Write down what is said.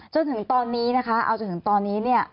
จนถึงตอนนี้นะคะเอาจนถึงตอนนี้เนี่ย